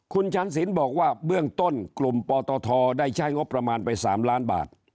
คุณชันศิลป์บอกว่าเบื้องต้นกลุ่มปตทได้ใช้งบประมาณไป๓ล้านบาท